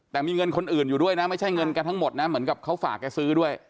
แต่มีเงินคนอื่นอยู่ด้วยนะไม่ใช่เงินแกทั้งหมดนะเหมือนกับเขาฝากแกซื้อด้วย